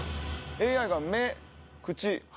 ＡＩが目口鼻